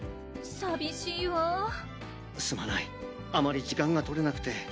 さびしいわぁ「すまないあまり時間が取れなくて」